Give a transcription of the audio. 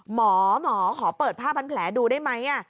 หมอหมอขอเปิดผ้าพันแผลดูได้ไหม